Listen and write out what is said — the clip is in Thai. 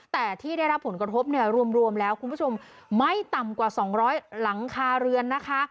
แต่ที่ได้รับผลกระทบเนี่ยรวมแล้วคุณผู้ชมไม่ต่ำกว่า๒๐๐หลังคาเรือนนะคะ